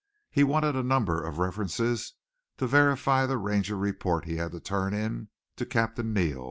He wanted a number of references to verify the Ranger report he had to turn in to Captain Neal.